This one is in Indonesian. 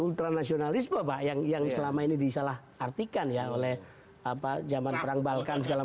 ultranasionalisme pak yang selama ini disalah artikan ya oleh apa zaman perang balkan segala